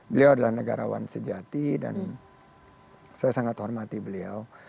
beliau adalah negarawan sejati dan saya sangat hormati beliau